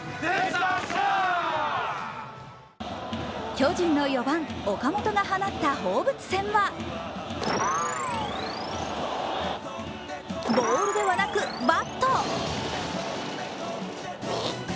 巨人の４番・岡本が放った放物線はボールではなく、バット。